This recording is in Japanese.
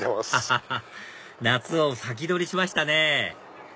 ハハハハ夏を先取りしましたね